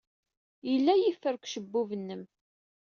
Yella yifer deg ucebbub-nnem.